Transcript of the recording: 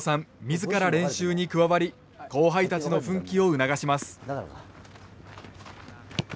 自ら練習に加わり後輩たちの奮起を促します。